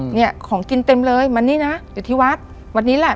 เนี่ยของกินเต็มเลยมานี่นะอยู่ที่วัดวันนี้แหละ